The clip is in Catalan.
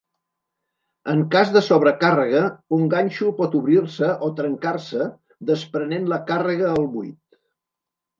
En cas de sobrecàrrega, un ganxo pot obrir-se o trencar-se, desprenent la càrrega al buit.